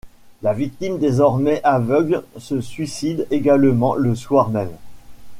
La victime désormais aveugle se suicide également le soir même.